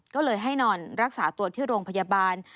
ก็เลยให้นอนรักษาตัวที่โรงพยาบาล